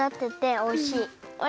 おいしい！